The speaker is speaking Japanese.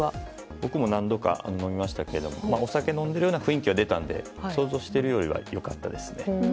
僕も何度か飲みましたけれどもお酒を飲んでるような雰囲気は出たので想像しているよりは良かったですね。